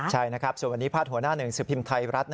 ใช่ส่วนวันนี้พาทหัวหน้าหนึ่งสุพิมพ์ไทรัฐ